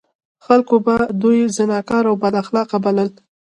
خلکو به دوی زناکار او بد اخلاق بلل.